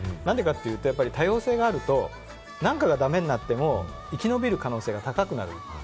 何でかというと多様性があると、何かがダメになっても生き延びる可能性が高くなる。